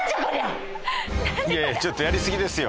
いやいやちょっとやりすぎですよ。